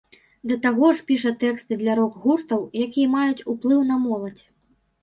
Да таго ж піша тэксты для рок-гуртоў, якія маюць уплыў на моладзь.